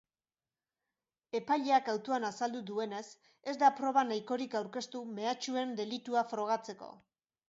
Epaileak autoan azaldu duenez, ez da proba nahikorik aurkeztu mehatxuen delitua frogatzeko.